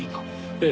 ええ。